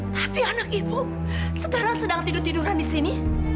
tapi anak ibu sekarang sedang tidur tiduran di sini